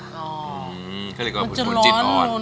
อ๋อคี่เราก็มันจะร้อน